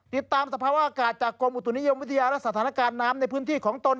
สภาวะอากาศจากกรมอุตุนิยมวิทยาและสถานการณ์น้ำในพื้นที่ของตน